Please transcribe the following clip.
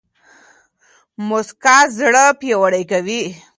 موسکا زړه پياوړی کوي